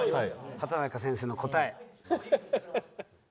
畠中先生の答え。